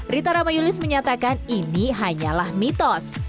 ritarama yulis menyatakan ini hanyalah mitos